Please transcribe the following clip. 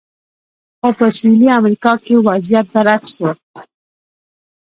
خو په سویلي امریکا کې وضعیت برعکس و.